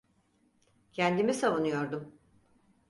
Kendimi savunuyordum.